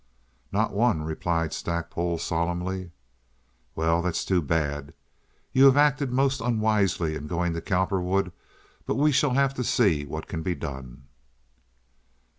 "Not one," replied Stackpole, solemnly. "Well, that's too bad. You have acted most unwisely in going to Cowperwood; but we shall have to see what can be done."